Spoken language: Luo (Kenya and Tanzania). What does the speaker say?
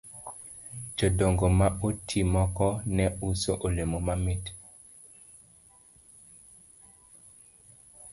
Jodongo ma oti moko ne uso olemo mamit